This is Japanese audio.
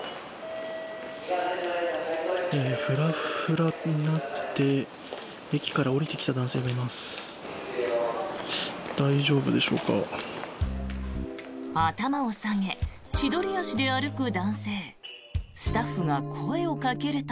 フラフラになって駅から降りてきた男性がいます。